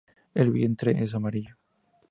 El vientre es amarillo.